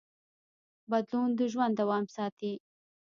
بدلون د ژوند دوام ساتي.